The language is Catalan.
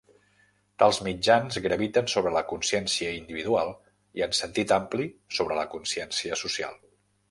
Tals mitjans graviten sobre la consciència individual i en sentit ampli, sobre la consciència social.